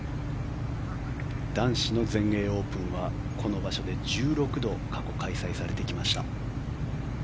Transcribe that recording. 男子の全英オープンはこの場所で１６度過去、開催されてきました。